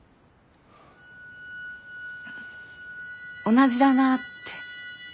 同じだなって。